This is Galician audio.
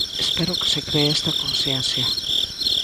Espero que se cree esta conciencia.